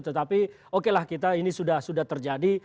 tetapi okelah kita ini sudah terjadi